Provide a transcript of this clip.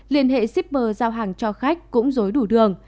liên hệ shipper giao hàng cho khách cũng dối đủ đường